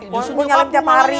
warno nyelap tiap hari